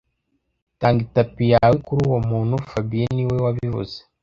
Tanga itapi yawe kuri uwo muntu fabien niwe wabivuze